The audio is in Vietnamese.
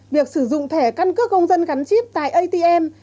việc sử dụng thẻ căn cước công dân gắn chip tại atm